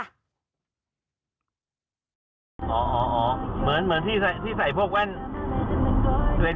อ๋อเหมือนที่ใส่พวกแว่น